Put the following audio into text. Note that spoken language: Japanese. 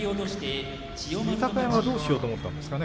豊山はどうしようと思ったんですかね。